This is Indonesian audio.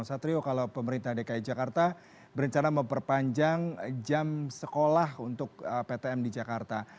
satrio kalau pemerintah dki jakarta berencana memperpanjang jam sekolah untuk ptm di jakarta